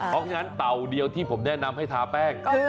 เพราะฉะนั้นเต่าเดียวที่ผมแนะนำให้ทาแป้ง